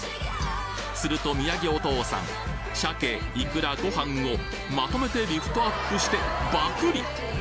すると宮城お父さん鮭イクラご飯をまとめてリフトアップしてバクリ！